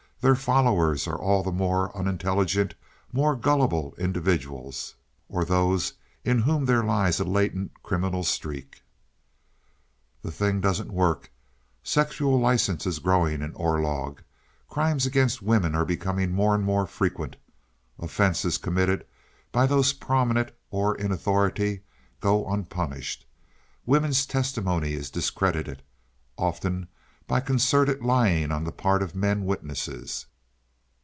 Their followers are all the more unintelligent, more gullible individuals, or those in whom there lies a latent criminal streak. "The thing doesn't work. Sexual license is growing in Orlog. Crimes against women are becoming more and more frequent. Offences committed by those prominent, or in authority, go unpunished. Women's testimony is discredited, often by concerted lying on the part of men witnesses.